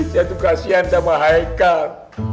satu kasihan sama haikal